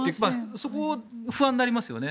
そこは不安になりますよね。